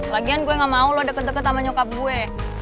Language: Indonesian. lagian gue gak mau loh deket deket sama nyukap gue